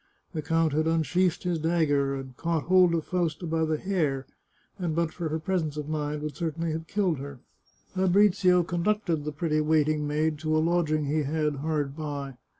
The count had unsheathed his dagger, had caught hold of Fausta by the hair, and but for her presence of mind would certainly have killed her. Fabrizio conducted the pretty waiting maid to a lodging he had hard by.